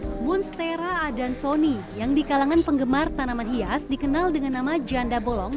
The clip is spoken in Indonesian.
hai munstera adansoni yang di kalangan penggemar tanaman hias dikenal dengan nama janda bolong